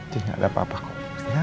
sini gak ada apa apa kok